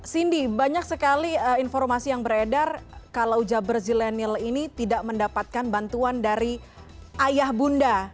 cindy banyak sekali informasi yang beredar kalau jabar zilenial ini tidak mendapatkan bantuan dari ayah bunda